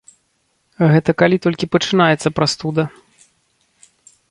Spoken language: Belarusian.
Гэта калі толькі пачынаецца прастуда.